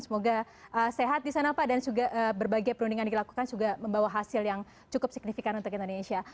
semoga sehat disana pak dan juga berbagai perundingan yang dilakukan juga membawa hasil yang cukup signifikan untuk indonesia